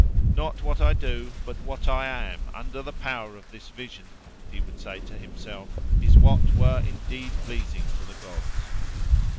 "Not what I do, but what I am, under the power of this vision"—he would say to himself—"is what were indeed pleasing to the gods!"